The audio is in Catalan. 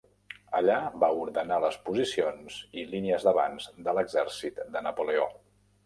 Allà va ordenar les posicions i línies d'avanç de l'exèrcit de Napoleó.